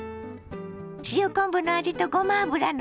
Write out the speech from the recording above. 塩昆布の味とごま油の風味。